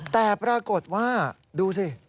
แต่ปรากฏว่าดูสิ